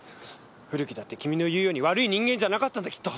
古木だって君の言うように悪い人間じゃなかったんだきっと。